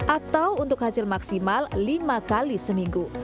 atau untuk hasil maksimal lima kali seminggu